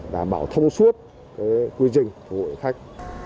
đảm bảo thông suốt quy định phục vụ khách